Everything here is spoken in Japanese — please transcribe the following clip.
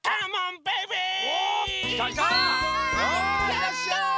いらっしゃい！